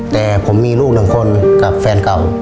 แต่ผมมีลูกหนึ่งคนกับแฟนเก่า